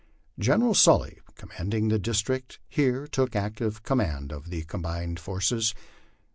General Sully, commanding the district, here took active command of the combined forces.